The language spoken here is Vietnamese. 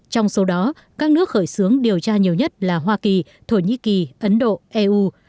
trong số đó các nước khởi xướng điều tra nhiều nhất là hoa kỳ thổ nhĩ kỳ ấn độ eu